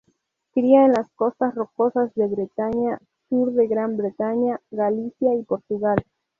Cría en las costas rocosas de Bretaña, sur de Gran Bretaña, Galicia y Portugal.